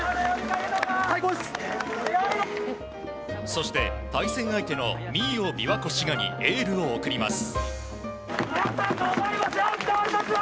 そして、対戦相手のＭＩＯびわこ滋賀にエールを送ります。